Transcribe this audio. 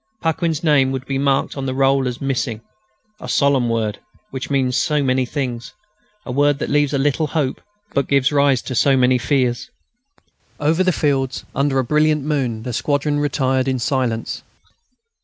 Paquin's name would be marked on the roll as "missing" a solemn word which means so many things, a word that leaves a little hope, but gives rise to so many fears. Over the fields, under a brilliant moon, the squadron retired in silence.